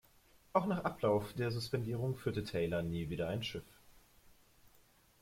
Auch nach Ablauf der Suspendierung führte Taylor nie wieder ein Schiff.